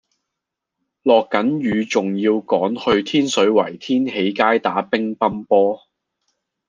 落緊雨仲要趕住去天水圍天喜街打乒乓波